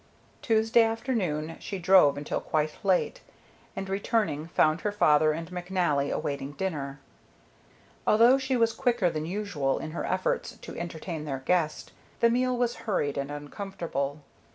Tuesday afternoon she drove until quite late, and returning found her father and McNally awaiting dinner. Although she was quicker than usual in her efforts to entertain their guest, the meal was hurried and uncomfortable.